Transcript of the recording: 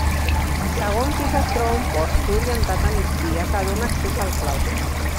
Al segon pis es troba un porxo orientat a migdia, que dóna accés al claustre.